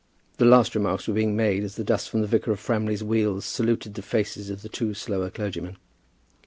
The last remarks were being made as the dust from the vicar of Framley's wheels saluted the faces of the two slower clergymen.